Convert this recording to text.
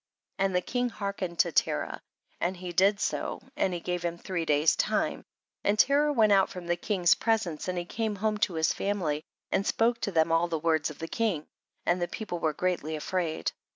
31. And the king hearkened to Terah, and he did so and he gave him three days time, and Terah went out from the king's presence, and he came home to his family and spoke to them all the words of the king ; and the people were greatly afraid.